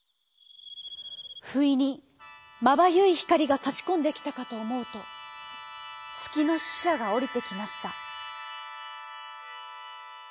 ふいにまばゆいひかりがさしこんできたかとおもうとつきのししゃがおりてきました。